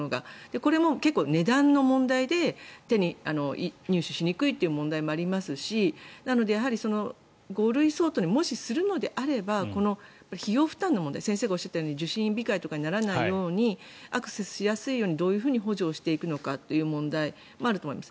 これも結構、値段の問題で入手しにくいという問題もありますしなので５類相当にもしするのであればこの費用負担の問題先生がおっしゃったように受診控えとかにならないようにアクセスしやすいようにどういうふうに補助していくのかという問題もあると思います。